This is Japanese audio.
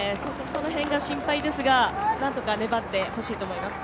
その辺が心配ですが、何とか粘ってほしいと思います。